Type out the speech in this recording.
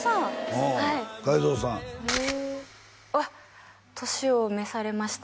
うん海象さんへえわっ年を召されました